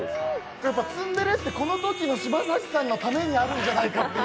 ツンデレってこのときの柴崎さんのためにあるんじゃないかと。